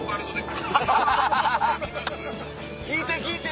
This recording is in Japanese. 聞いて聞いて！